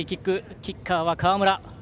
キッカーは川村。